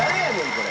これ。